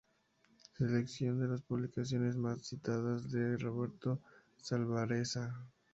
Selección de las publicaciones más citadas de Roberto Salvarezzaː